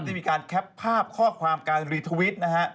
ได้มีการแคปภาพข้อความการรีทวิตนะฮะ